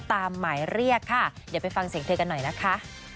หมายเรียกค่ะเดี๋ยวไปฟังเสียงเธอกันหน่อยนะคะ